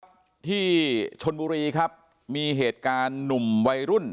ครับที่ชนบุรีครับมีเหตุการณ์หนุ่มวัยรุ่น